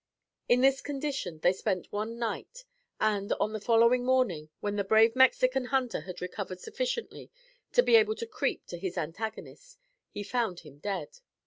In this condition they spent one night; and, on the following morning, when the brave Mexican hunter had recovered sufficiently to be able to creep to his antagonist, he found him dead.